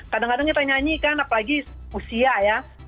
kadang kadang kita nyanyi kan apalagi usia ya